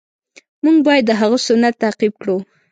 مونږ باید د هغه سنت تعقیب کړو.